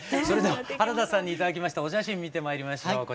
それでは原田さんに頂きましたお写真見てまいりましょう。